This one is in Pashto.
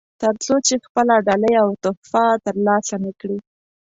تر څو چې خپله ډالۍ او تحفه ترلاسه نه کړي.